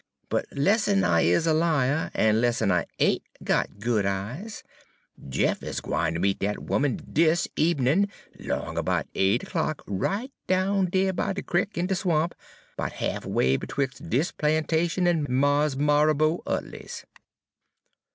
But 'less'n I is a liah, en 'less'n I ain' got good eyes, Jeff is gwine ter meet dat 'oman dis ebenin' 'long 'bout eight o'clock right down dere by de crick in de swamp 'bout half way betwix' dis plantation en Mars' Marrabo Utley's.'